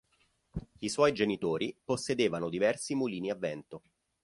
I suoi genitori possedevano diversi mulini a vento.